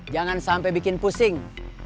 jangan sampai bikin pusing